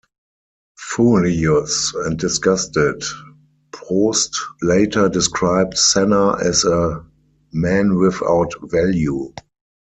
Furious and disgusted, Prost later described Senna as "a man without value".